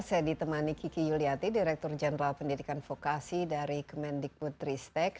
saya ditemani kiki yuliati direktur jenderal pendidikan fokasi dari kemendikbud ristek